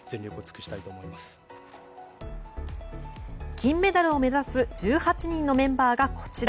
金メダルを目指す１８人の選手がこちら。